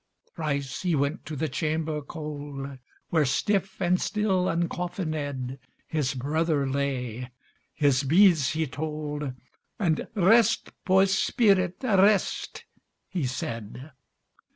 Thrice he went to the chamber cold, Where, stiff and still uncoffinèd, His brother lay, his beads he told, And "Rest, poor spirit, rest," he said.